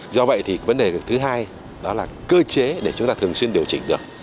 do vậy thì vấn đề thứ hai đó là cơ chế để chúng ta thường xuyên điều chỉnh được